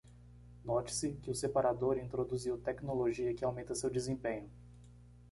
Note-se que o separador introduziu tecnologia que aumenta seu desempenho.